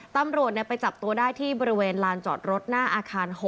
ตำรวจไปจับตัวได้ที่บริเวณลานจอดรถหน้าอาคาร๖